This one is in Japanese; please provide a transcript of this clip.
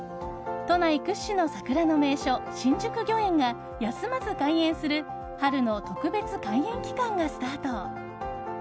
都内屈指の桜の名所、新宿御苑が休まず開園する春の特別開園期間がスタート。